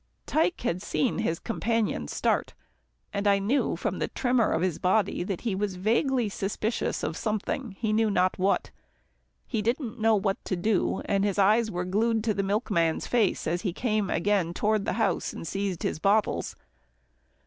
Tike had seen his companion's start, and I knew from the tremor of his body that he was vaguely suspicious of something, he knew not what. He didn't know what to do, and his eyes were glued to the milkman's face as he came again toward the house and seized his bottles.